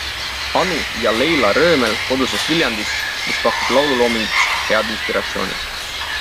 Anu ja Leila Röömel koduses Viljandis, mis pakub laululoominguks head inspiratsiooni.